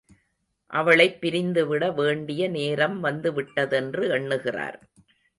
அவளைப் பிரிந்து விட வேண்டிய நேரம் வந்து விட்டதென்று எண்ணுகிறார்.